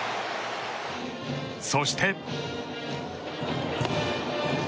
そして。